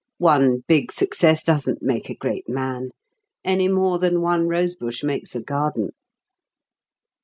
One big success doesn't make a 'great man' any more than one rosebush makes a garden."